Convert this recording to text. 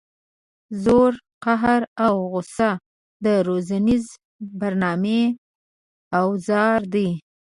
زور قهر او غصه د روزنیزې برنامې اوزار دي.